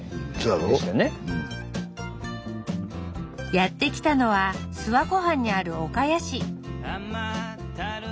やって来たのは諏訪湖畔にある岡谷市